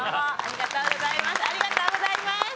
ありがとうございます。